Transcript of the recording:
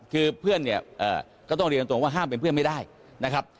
คือเพื่อนเนี่ยก็ต้องเรียนตรงว่าห้ามเป็นเพื่อนไม่ได้นะครับ